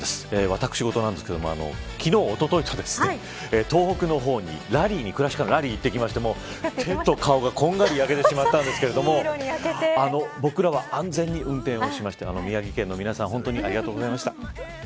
私事なんですけれども昨日おとといと東北の方にラリーに行ってきまして手と顔が、こんがり焼けてしまったんですけれども僕らは安全に運転をしまして宮城県の皆さん本当にありがとうございました。